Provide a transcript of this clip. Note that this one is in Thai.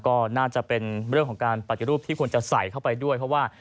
ก็น่าจะเป็นเรื่องของการปฏิรูปที่ควรจะใส่เข้าไปด้วยเพราะว่า